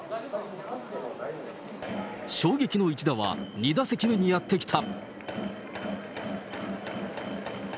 衝撃の一打は２打席目にやって来た。